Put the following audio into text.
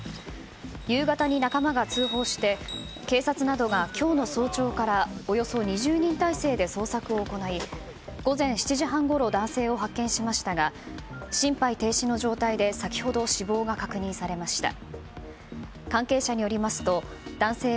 夕方に仲間が通報して警察などが今日の早朝からおよそ２０人態勢で捜索を行い午前７時半ごろ男性を発見しましたが心肺停止の状態で先ほど死亡が確認されました。